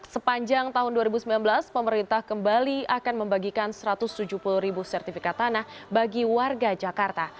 sepanjang tahun dua ribu sembilan belas pemerintah kembali akan membagikan satu ratus tujuh puluh ribu sertifikat tanah bagi warga jakarta